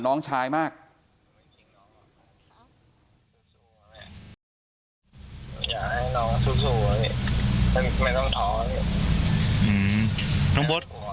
ไม่ต้องคิดมากแน่หนูไม่ทิ้งน้อง